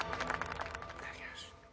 いただきます。